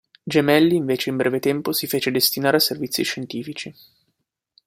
Gemelli invece in breve tempo si fece destinare a servizi scientifici.